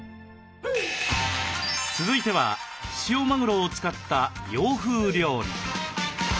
続いては塩マグロを使った洋風料理。